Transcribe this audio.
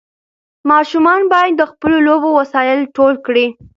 ماشومان باید د خپلو لوبو وسایل ټول کړي.